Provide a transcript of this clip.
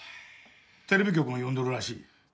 テレビ局も呼んどるらしい。